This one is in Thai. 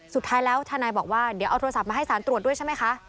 สุดท้ายแล้วทนายบอกว่าเดี๋ยวเอาโทรศัพท์มาให้สารตรวจด้วยใช่ไหมคะ